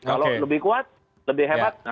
kalau lebih kuat lebih hebat